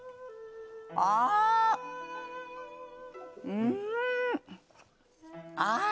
うん！あっ！